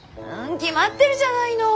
決まってるじゃないの。